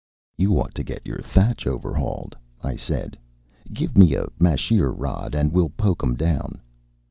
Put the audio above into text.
"You ought to get your thatch over hauled," I said. "Give me a masheer rod, and we'll poke 'em down."